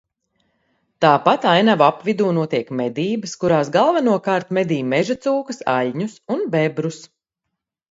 Tāpat ainavu apvidū notiek medības, kurās galvenokārt medī mežacūkas, aļņus un bebrus.